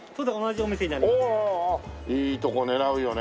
おおいいとこ狙うよね。